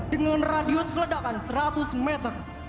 dengan daya jangkau tembakan seratus meter